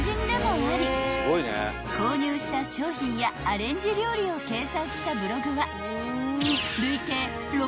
［購入した商品やアレンジ料理を掲載したブログは］